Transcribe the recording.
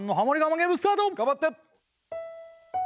ゲームスタート頑張って！